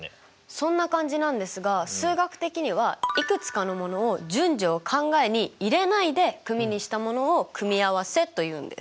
そんな感じなんですが数学的にはいくつかのものを順序を考えに入れないで組にしたものを組合せというんです。